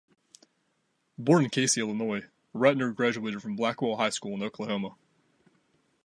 Born in Casey, Illinois, Ratner graduated from Blackwell High School in Oklahoma.